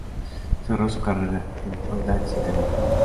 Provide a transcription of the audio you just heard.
Cerró su carrera en Audax Italiano.